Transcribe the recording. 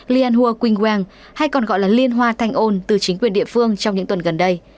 lianhua qingguang hay còn gọi là liên hoa thanh ôn từ chính quyền địa phương trong những tuần gần đây